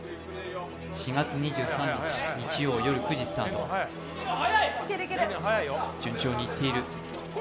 ４月２３日夜９時スタート、順調にいっている。